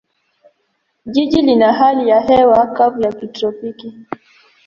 Jiji lina hali ya hewa kavu ya kitropiki.